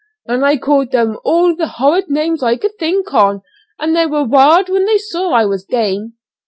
"And I called them all the horrid names I could think on, and they were wild when they saw I was game."